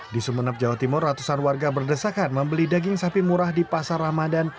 di sumeneb jawa timur ratusan warga berdesakan membeli daging sapi murah di pasar ramadan